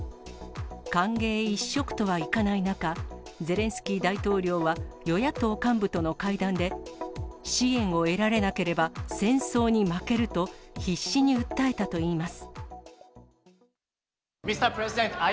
歓迎一色とはいかない中、ゼレンスキー大統領は与野党幹部との会談で、支援を得られなければ戦争に負けると、必死に訴えたといいます。